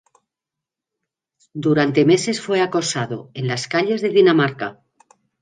Durante meses fue acosado en las calles de Dinamarca.